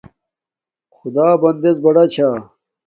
خدݳ بُٹݵڎ بڑݳ چھݳ.